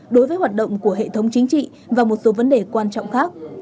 đối với hoạt động của hệ thống chính trị và một số vấn đề quan trọng khác